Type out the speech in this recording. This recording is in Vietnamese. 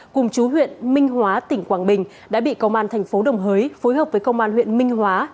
cùng chú huyện minh hóa tỉnh quảng bình đã bị công an thành phố đồng hới phối hợp với công an huyện minh hóa